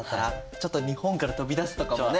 ちょっと日本から飛び出すとかもね。